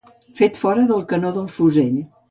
Fet fora del canó del fusell.